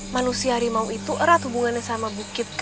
manusia harimau itu erat hubungannya sama bukit